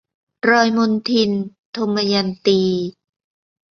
รอยมลทิน - ทมยันตี